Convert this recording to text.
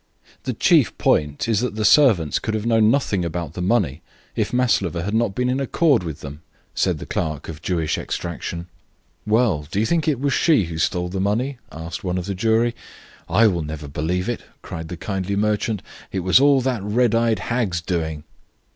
"The chief point is that the servants could have known nothing about the money if Maslova had not been in accord with them," said the clerk of Jewish extraction. "Well, do you think that it was she who stole the money?" asked one of the jury. "I will never believe it," cried the kindly merchant; "it was all that red eyed hag's doing."